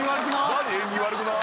「縁起悪くない？」